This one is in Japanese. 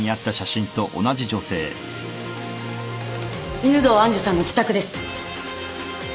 犬堂愛珠さんの自宅です。